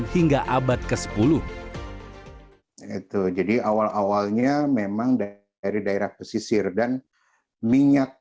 hingga abad ke sepuluh itu jadi awal awalnya memang dari daerah pesisir dan minyak